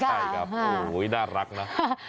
ใช่ครับโอ้โหน่ารักนะ